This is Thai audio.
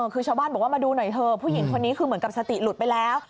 คือชาวบ้านบอกว่ามาดูหน่อยเถอะผู้หญิงคนนี้คือเหมือนกับสติหลุดไปแล้ว